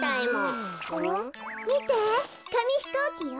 みてかみひこうきよ。